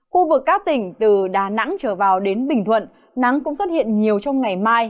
khu vực các tỉnh từ đà nẵng trở vào đến bình thuận nắng cũng xuất hiện nhiều trong ngày mai